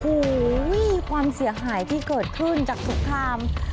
โอ้โหความเสียหายที่เกิดขึ้นจากทุกคราม